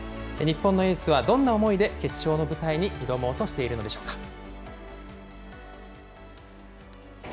日本のエースはどんな思いで決勝の舞台に挑もうとしているのでしょうか。